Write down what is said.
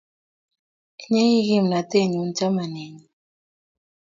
Inye ii kimnatenyu chamanenyu